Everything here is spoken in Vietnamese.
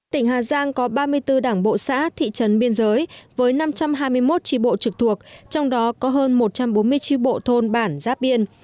tỉnh hà giang có ba mươi bốn đảng bộ xã thị trấn biên giới với năm trăm hai mươi một tri bộ trực thuộc trong đó có hơn một trăm bốn mươi tri bộ thôn bản giáp biên